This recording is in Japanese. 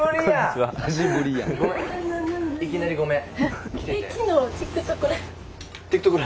いきなりごめん。